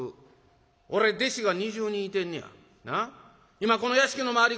今この屋敷の周り